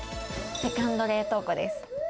セカンド冷凍庫です。